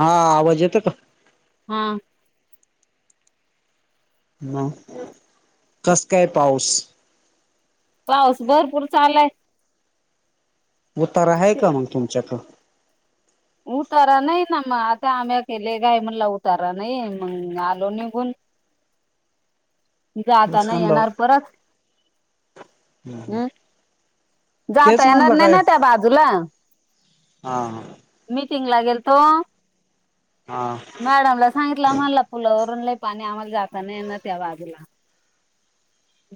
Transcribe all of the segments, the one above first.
हा आवाज येतोय का? हा. ह कस काय पाऊस? पाऊस भरपूर चालू आहे. उतारा आहे का मग तुमच्याकड? उतारा नाही ना मग आता आम्ही केले काय म्हणला उतारा नाही मग आलो निघून. जाताना येणार परत. हम्म हम. हम् जाता येणार नाही ना त्या बाजूला? हा मीटिंगला गेलतो. हा. मॅडमला सांगितलं आम्हाला पुुलावरून लई पाणी आहे आम्हाला जाता नाही येणार त्या बाजूला.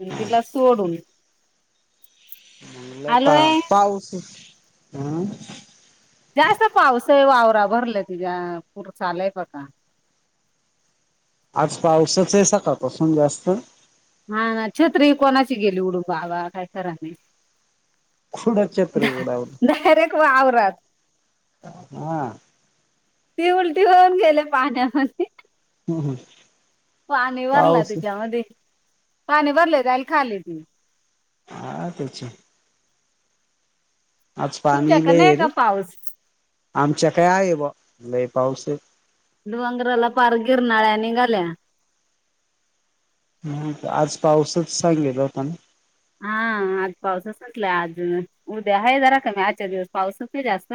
मी दिला सोडून. मग लय पा, आलोय पाऊस हम् जास्त पाऊसय वावरा भरला तिच्या पूरच आलंय बघा. आज पाऊसचय सकाळपासून जास्त. हा ना, छत्री हि कोणाची गेली उडून बाबा काही खर नाही. कुडं छत्री [unintelligible] उडावलं डायरेक्ट वावरात हा ती उलटी होऊन गेले पाण्यामध्ये. [unintelligible] पाणी भरला पाऊस तीच्यायामध्ये, पाणी भरलय जाईल खाली ती. हा तेचय. आज पाणी तुमच्याकडे लय हे नाही का रे, पाऊस आमच्या क हाय बॉ लय पाऊस हे. डोंगराला पार गिरणाळ्या नींघाल्या ह, आज पाऊसच सांगेल होता ना. हा आज पाऊसच सुटलाय आज, उदया आहे जरा कमी आजच्या दिवस पाऊसच नाही जास्त.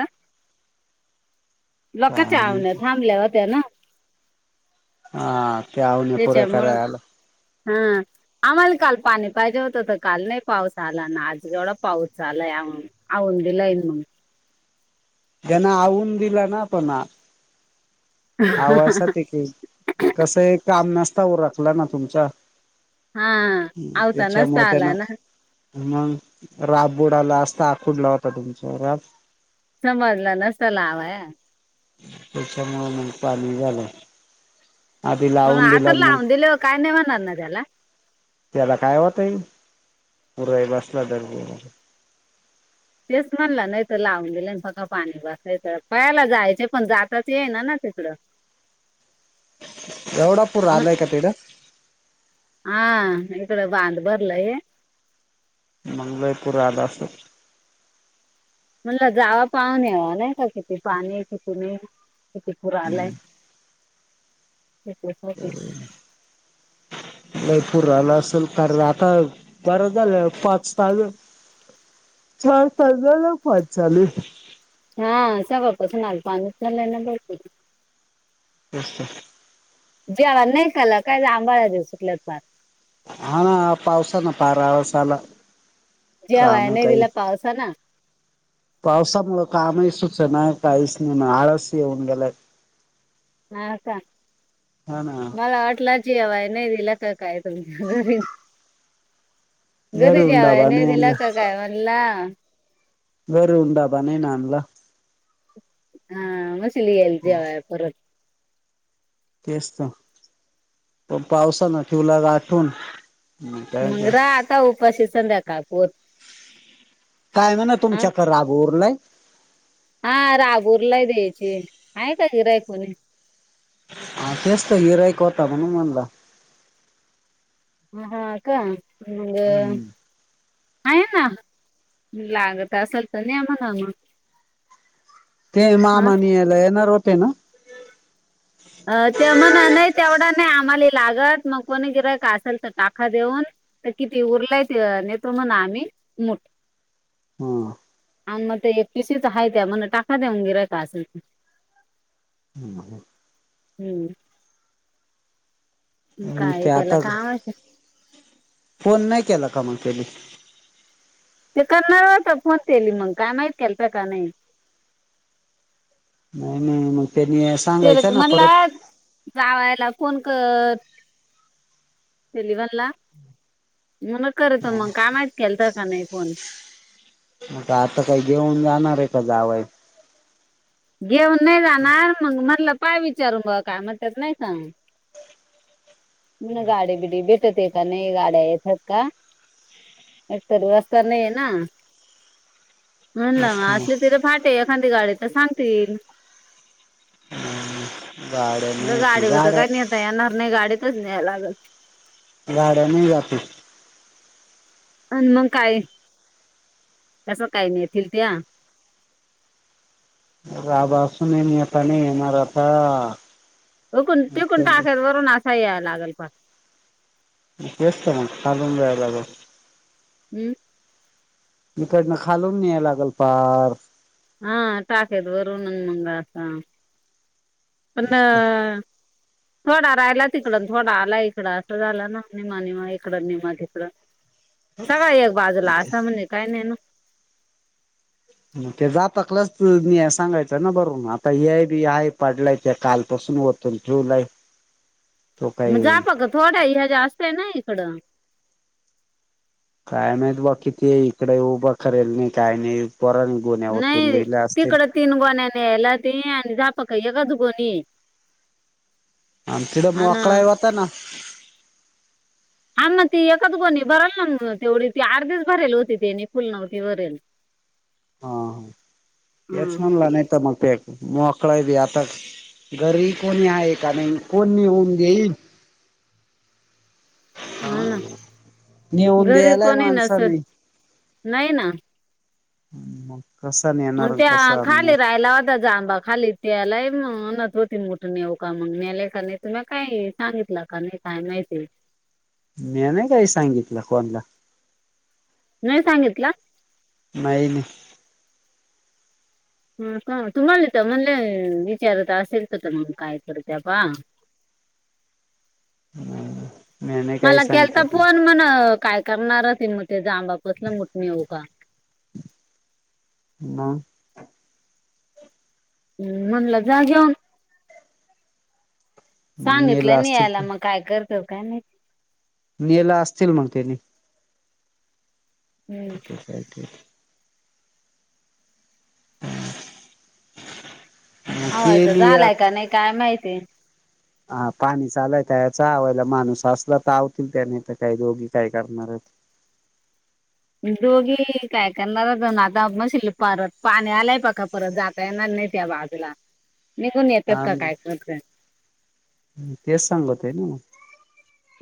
[inaudible] लोकाच्या काय आवन माहिती थांबल्या हो त्या ना. हा. ते आवण्या पुऱ्या तेच्यामुळ, करायला आला हा. आम्हाला काल पाणी पाहिजे होतं त काल नाही पाऊस आला न आज एवढा पाऊस झालाय, आ. औंद दिलंय मंग. जना आवून दिला ना पणा आवासाठी केल, कसं हे काम नसत उरकलं ना तुमचा. हा हम्, आवता नसता त्याच्यामूळ आला त्यांना ना मग, राब बुडाला असता पुढला होता तुमचा राब समजल नसल आव. त्याच्यामुळे मग पाणी झालं. आधी पण लावून दिला आपण मग लावून दिल्यावर काय नाय होणार ना त्याला. त्याला काय होतय, पुरई बसला. [unintelligible] तेच म्हणलं नाही तर लावून दिेलं फक पाणी बसाय, पहायला जायचे पण जाताच येईना ना तिकडं. एवढा पूर न आलाय का तिकड? हा इकड बांध भरलाय मंग लय पूर आला असल. म्हणलं, जावा पाहून यावा नाही का किती पाणी किती नही? किती पूर आलाय. [unintelligible] लय पूर आला असल [unintelligible] आता बर झालं पाच तास, चार तास झाल पाणी चालू ये. हा सकाळपासून आज पाणीच चाललय ना भरपूर. तेच त. जेवान नाही केला काय, जांभाळ्या देऊ सुटल्या पार. हाना, पावसान पार आळस आला. जेवाया काम नाही दिल पावसा न. पावसामुळ कामही सूचना काहीच नाही मग आळस येऊन गेलाय. हा का, हा ना मला वाटला जेवाय नाही दिलं का काय तुमच्या घरी घरी येऊन जेवाय डबा नाय नाही आणला दिला का काय म्हणला. घरून डबा नाही ना आणला. हा म्हशीला येईल जेवाय परत तेच तर, म पावसान ठेवला गाठून काय मग ते रहा आता उपाशी संध्याकाळ पोत काय म्हण हा तुमच्याक राब उरलाय हा राब उरलाय द्यायचे, आहे का गिराइक कोणी? हा तेस त गिराइक होता म्हणून म्हणला हा का मंग, हम्म आहे ना लागत असल तर न्या म्हणा म ते मामा न्यायला येणार होते ना? अ ते म्हण नाही तेवढा नाही आम्हाले लागत, मग कोणी गिराईक असल तर टाका देऊन. तर किती उरलाय ते नेतो म्हणा आम्ही, मुठ ह आणि मग ते एक पिसीच आहेय त्या मण टाका देऊन गिरायता असल तर हम्म हम हम्म मग काय ते केला आता ग, काय माहिती फोन नाही केला का मग त्यानी ते करणार होता फोन केली, मग काय माहीत केलता का नाही. नाही नाही मग त्येनी असं ते म्हणला जावायला फोन कर सलिव्हनला, मण करतो म काय माहित केलता काय नाही फोन म का आता काय घेऊन जाणार हाय का जावाय? घेऊन नाही जाणार मग मणलं पाहा विचारू बघा काय म्हटत्यात नाही का, म्हण गाडी बिडी भेटते का नाही गाड्या येतात का, एकतरी रस्ता नाही आहे ना म्हणलं तेच म तर असली मग तिला फाटे एखादी गाडी तर सांगतील गाड्या म्हणलं नाही गाडीवत गाड्या नेहता येणार नाही, गाडीत न्याय लागलं गाड्या नाही जात अ मग काय कस काही नेतील त्या? राभा असून नेता नाही येणार आता हुकून टिकून टाकर वरून असा याय लागल पण तेस्त मग खालून जाय लागल हम् इकडनं खालून याय लागल पार हा टाकेद वरून न मंग असं पणं थोडा राहिला तिकड थोडा आला इकडं असं झालं ना, निमा निमा इकडं निमा तिकडं सगा एक बाजूला, असा म्हण काय नाही ना ते जात कलच सांगायचं ना बरुण आता, हे बी हाय पडलाय ते कालपासून होत ठेऊलाई मग जापा ग थोड्या ह्याच्या्या असत ना इकडं काय माहितं बघ किती इकडे उभं करेल नाही काय नाही पोरान गोन्ह्यावरतून नाही लिहिले असतील तिकडं तीन गोण्यायाने यायला ते आणि झापक एकच गोणी आमच्याकड आणि मोकळ हाय वतं ना हां ना ती एकच गोणी भरल ना म तेवढी ती. अर्धीच भरेल होती ती ने फुल नव्हती भरेल. हा हेच हं. म्हनला नाही का मग ते. मोखळा हाय यातच. घरी कोणी आहे का नाही? फोन येऊन गेलेत. हो ना नेऊन घरी द्यालाय कोणी नसेल माणसाने. नाही ना. म. कसा न्या मग त्या खाली राहायला. खालचा जामबा खालीच यालाय, म म्हणत होती मोठ नेवूका म्हनुन, नेले का नाही तुला काय माहित. सांगितलं का नाही काय माहिती. म्या नाही काही सांगितलं कोणला. नाही सांगितला. नाही ना. हं का? तुम्हाला तर म्हणले, विचारत असेल तर, तर मग काय करत्या बा. [inaudible] मी नाही काही मला केलता सांगितलं कोण फोन म्हण काय करणार ती मग ते जामबा पासन [unintelligible] न्हेवू का? हा. हं म्हणलं जा घेऊण, मग नेलं सांगितलं नि असतील यायला ते मग. काय करतो काय माहित. नेला असतील मग तेनी हुं. काय ते? आवाज केली झालाय आत का काय माहिती? हा पाणी चालायत याचा आवयला माणूस असला तर, यावतील त्याने तर काही दोघी काय करणार. म दोघी काय करणार आता? माझ परत पाणी आलाय पक्का परत जात जाणार नाहीेत त्या बाजूला. निघून येतात हा का ना, काय करत तेच सांगतोय ना मग.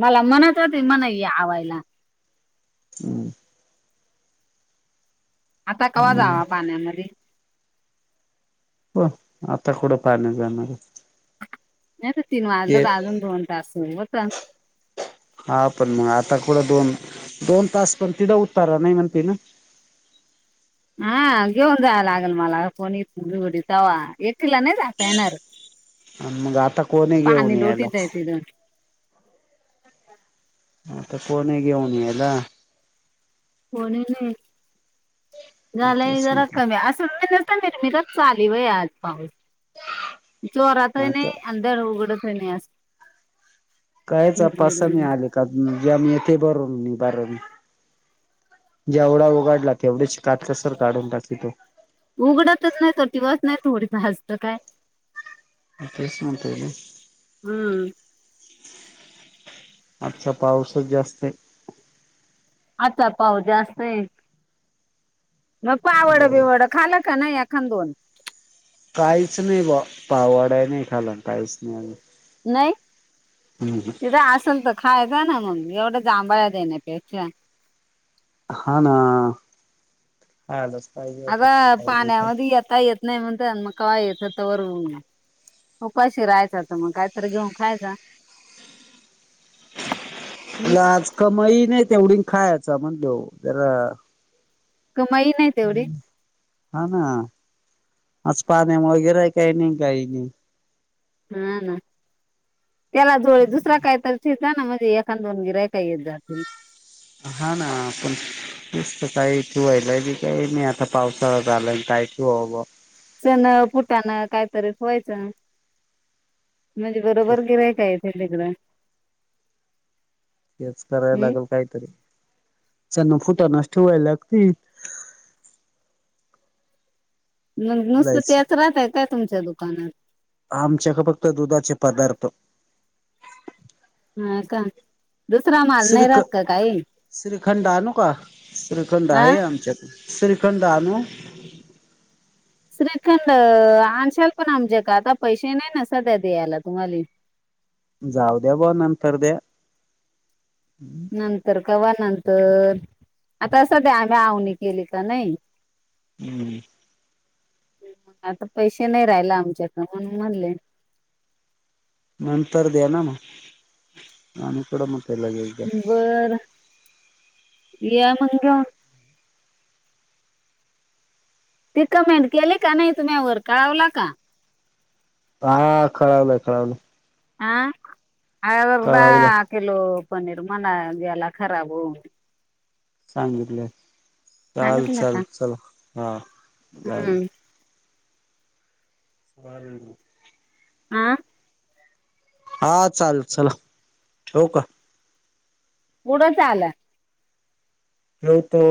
मला म्हनत होते म्हण या आवायला हुं. आता कव्हा मग जावा पाण्यामध्ये? हो आता कुठ पाण्यात जाणार? नाही तर तीन ते वाजलत, अजून दोन तास होत. हा पण, मग आता कुट दोन, दोन तास पण तिथं उतारा नाही म्हणते ना. हा घेऊन जावं लागेल मला, कोणी इथं वडी चावा एकीला नाही जाता येणार. मग आता कोण ये घेऊन यायला. केदार आता कोण आहे घेऊन यायला? कोणी नाही? झालंय म्हटलंच नाही जरा ते कमी अस र मी तर चाली व आज पाऊस. जोरात ही आता नाही आणि धड उघडत ही नाही अस. काहीच पैसा नाही आले का? ज्या मी नेते बरून बरून. जेवढा उगाडला, तेवढीच काटकसर काढून टाकीतो. उघडतच नाही तो, दिवासच नाही थोडी हसतं काय? मग, तेच म्हणतोय मी. हम्म. आजचा पाऊसच जास्त ये. आचा पाऊस जास्त ये. म पावड बर बिवडं खाल का नाही एखान दोन? काहीच नाही बुवा, पाव वडा नाही खाला काहीच नाही आजुन. नाही? तिथ आसन बग. खायचा ना मंग? एवढ्या जांभया देण्या पेशा. हा ना, खायलाचं पाहिजे आता [unintelligible] ती आता येत नाही म्हणतान मग कवा येता तवर उपाशी राहायचा तर मग काहीतरी घेऊन खायचा. [inaudible] हम्म ही आज कमाई नाही तेवढी खायाचा म्हणलो तर कमाई नाही तेवढी? हा ना, आज पाण्यामुळ गिराईक काय नाही काही नाही. हां हां. त्याला जोळे दुसरा काय तर ठीका ना म्हणजे एखाद दोन गिरायक येत जातील. हा ना, पण नुसत काही ठिवायला बी काय नाही आता पावसाळा झालाय काय ठिवावं बुवा? चण, फुटानं कायतरी ठेवायचं म्हणजे ते बरोबर गिरायक येते तिकड. तेच कराय लागल कायतरी, चन, फुटानच ठुवाय लागतील. न नुसत जायचं तेच राहतय काय तुमच्या दुकानात? आमच्या कड फक्त दुधाचे पदार्थ. हां का? दुसरा माल नाही श्रीख राहत का काही श्रीखंड आनु का? श्रीखंड हा आहे आमच्यात. श्रीखंंड आनु? श्रीखंड आणशाल पण आमच्या क आता पैसे नाही ना सध्या द्यायला तुम्हाले. जाऊ द्या बुवा नंतर द्या. नंतर कवा नंतर? आता सद्या आम्ही आवनी केली का नाही. हम्म. आता पैसे नाही राहिल आमच्या कड म्हणून म्हणले. नंतर द्या ना म, आमी कुठ म्हणतो लगेच द्या बर, या मंग घेवुन. ति कमेंड केले का नाही, तुमी यावर कळवला का? हा कळवल कळवल. हां? अर्धा कळावलं किलो पनीर म्हणा गेला खराब होऊन. सांगितलय चाल सांगितलं का चाल चला हां जाऊ. हम्म [inaudible] आं हा चाल चला, ठिवु का? कूढ चाल? ठेवतो.